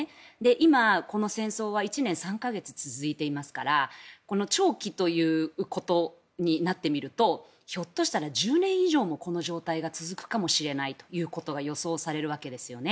今、この戦争は１年３か月続いていますから長期ということになってみるとひょっとしたら１０年以上もこの状態が続くかもしれないと予想されるわけですよね。